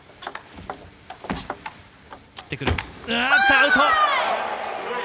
アウト！